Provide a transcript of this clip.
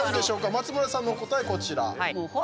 松丸さんの答え、こちら。